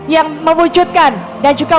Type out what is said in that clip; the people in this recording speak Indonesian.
yang mewujudkan dan juga